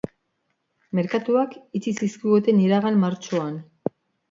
Merkatuak itxi zizkiguten iragan martxoan.